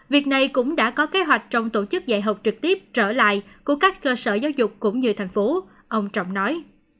việc này cũng đã có kế hoạch trong tổ chức dạy học trực tiếp trở lại của các cơ sở giáo dục cũng như thành phố ông trọng nói